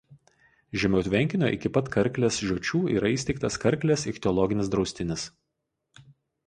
Žemiau tvenkinio iki pat Karklės žiočių yra įsteigtas Karklės ichtiologinis draustinis.